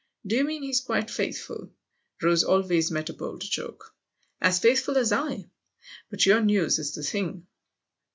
" Do you mean he's quite faithful ?" Rose always met a bold joke. " As faithful as I ! But your news is the thing."